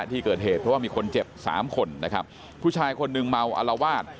ที่เกิดเหตุเพราะว่ามีคนเจ็บสามคนนะครับผู้ชายคนหนึ่งเมาอลวาด